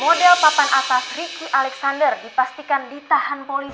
model papan atas riki alexander dipastikan ditahan polisi